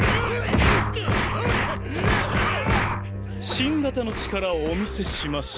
新型の力をお見せしましょう。